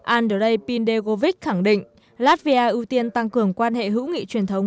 andrei pindelgovich khẳng định latvia ưu tiên tăng cường quan hệ hữu nghị truyền thống